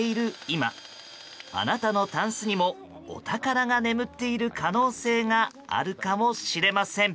今あなたのたんすにもお宝が眠っている可能性があるかもしれません。